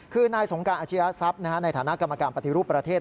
คือนายสงการอาชียทรัพย์ในฐานะกรรมการปฏิรูปประเทศ